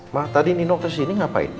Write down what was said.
ma tadi nino kesini ngapain